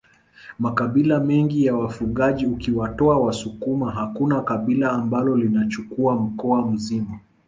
Makabila mengine ya wafugaji ukiwatoa wasukuma hakuna kabila ambalo linachukua mkoa mzima